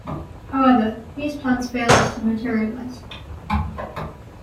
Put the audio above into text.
However, these plans failed to materialise.